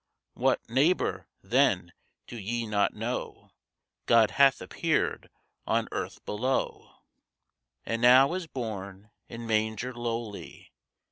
What, neighbor, then do ye not know God hath appeared on earth below And now is born in manger lowly!